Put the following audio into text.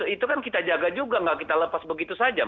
itu kan kita jaga juga nggak kita lepas begitu saja